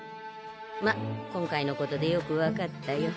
まっ今回のことでよく分かったよ。